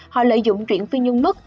họ lợi dụng chuyển phi nhung mất